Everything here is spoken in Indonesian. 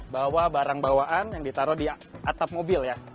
bawa barang bawaan yang ditaruh di atap mobil ya